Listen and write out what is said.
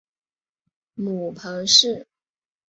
母彭氏。